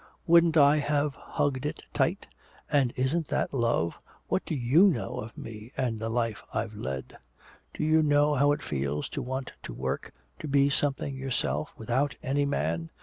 Wouldn't I have hugged it tight? And isn't that love? What do you know of me and the life I've led? Do you know how it feels to want to work, to be something yourself, without any man?